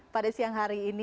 pada siang hari ini